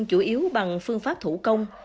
chủ yếu bằng phương pháp thủ công